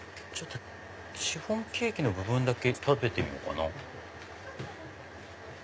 シフォンケーキの部分だけ食べてみようかな。